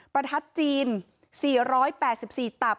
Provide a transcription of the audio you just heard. ประทัดจีน๔๘๔ตับ